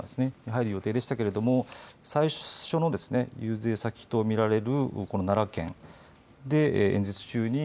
入る予定でしたけれども最初の遊説先と見られるこの奈良県で演説中に